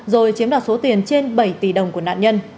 rồi chiếm đoạt số tiền trên bảy tỷ đồng của nạn nhân